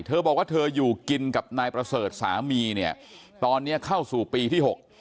เธอบอกว่าเธออยู่กินกับนายประเสริฐสามีเนี่ยตอนเนี้ยเข้าสู่ปีที่หก